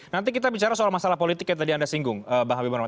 nanti kita bicara soal masalah politik yang tadi anda singgung pak habib marwan